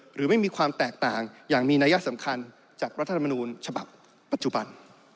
หรือไม่มีความแตกต่างอย่างมีนัยสำคัญจากรัฐธรรมนูญฉบับปัจจุบัน